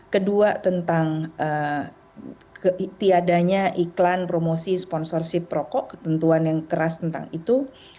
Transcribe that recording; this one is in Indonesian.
kedua tentang tiadanya iklan promosi sponsorship rokok ketentuan yang keras tentang itu